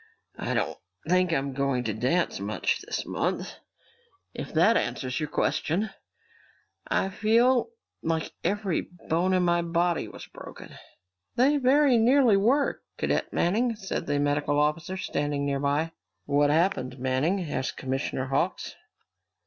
"I don't think I'm going to dance much this month, if that answers your question. I feel like every bone in my body was broken!" "They very nearly were, Cadet Manning," said the medical officer, standing near by. "What happened, Manning?" asked Commissioner Hawks.